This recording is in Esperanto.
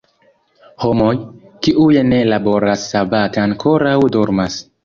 Homoj, kiuj ne laboras sabate ankoraŭ dormas.